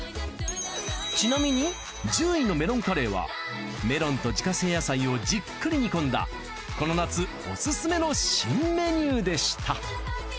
ちなみに１０位のメロンカレーはメロンと自家製野菜をじっくり煮込んだこの夏オススメの新メニューでした。